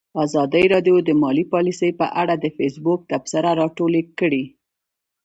ازادي راډیو د مالي پالیسي په اړه د فیسبوک تبصرې راټولې کړي.